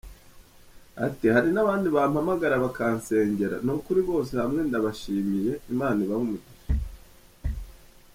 Ati "Hari n’abandi bampamagaraga bakansengera, ni ukuri bose hamwe ndabashimiye, Imana ibahe umugisha.